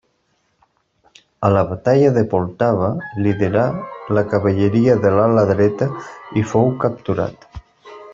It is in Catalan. A la batalla de Poltava liderà la cavalleria de l’ala dreta i fou capturat.